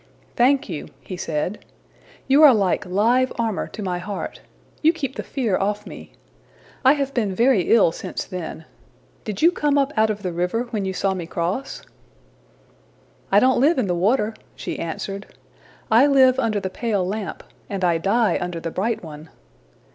``Thank you,'' he said. ``You are like live armor to my heart; you keep the fear off me. I have been very ill since then. Did you come up out of the river when you saw me cross?'' ``I don't live in the water,'' she answered. ``I live under the pale lamp, and I die under the bright one.''